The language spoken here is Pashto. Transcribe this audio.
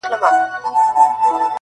نڅول چي یې سورونو د کیږدیو سهارونه.!